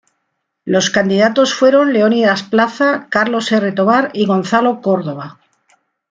Los candidatos fueron Leonidas Plaza, Carlos R. Tobar y Gonzalo Córdova.